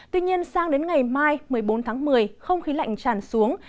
tuy nhiên sang đến ngày mai một mươi bốn tháng một mươi không khí lạnh tràn xuống